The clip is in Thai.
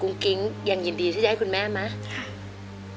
กุ้งกิ้งยังยินดีที่จะให้คุณแม่ไหม